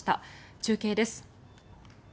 中継です。